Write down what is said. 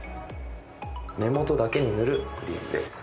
目元だけに塗るクリームです。